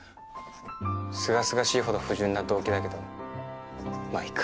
すがすがしいほど不純な動機だけどまあいいか。